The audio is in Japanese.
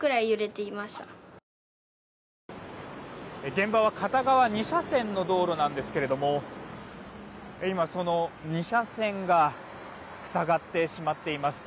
現場は片側２車線の道路なんですけれども今、その２車線が塞がってしまっています。